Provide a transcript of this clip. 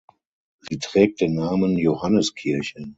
Sie trägt den Namen Johanneskirche.